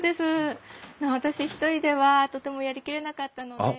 私一人ではとてもやりきれなかったので。